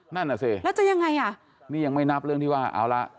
นั่นแหละสินี่ยังไม่นับเรื่องที่ว่าแล้วจะยังไง